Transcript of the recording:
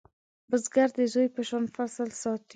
بزګر د زوی په شان فصل ساتي